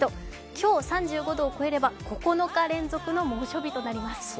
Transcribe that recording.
今日３５度を超えれば、９日連続の猛暑日となります。